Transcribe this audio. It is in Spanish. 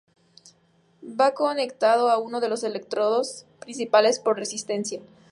Va conectado a uno de los electrodos principales por una resistencia.